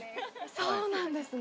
そうなんですね。